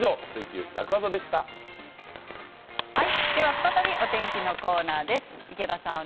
再びお天気のコーナーです。